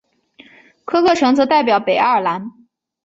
科克城则代表北爱尔兰。